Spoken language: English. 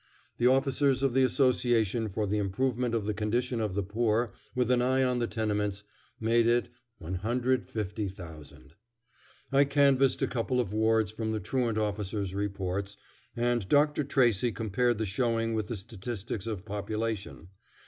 The officers of the Association for the Improvement of the Condition of the Poor, with an eye on the tenements, made it 150,000. I canvassed a couple of wards from the truant officers' reports, and Dr. Tracy compared the showing with the statistics of population.